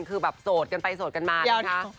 คือแบบโสดกันไปโสดกันมานะคะ